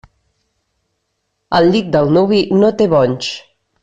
El llit del nuvi no té bonys.